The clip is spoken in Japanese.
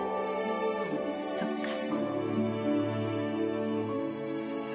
そっか。